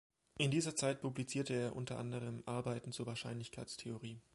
In dieser Zeit publizierte er unter anderem Arbeiten zur Wahrscheinlichkeitstheorie.